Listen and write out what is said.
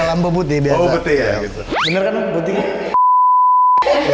lampu putih biasa oh putih ya gitu bener kan putihnya